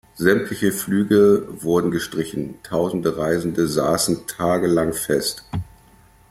Sämtliche Flüge wurden gestrichen, tausende Reisende saßen tagelang fest.